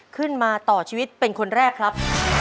ขึ้นมาต่อชีวิตเป็นคนแรกครับ